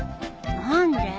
何で？